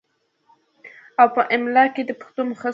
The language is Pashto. او پۀ املا کښې ئې دَپښتو دَمخصوصو تورو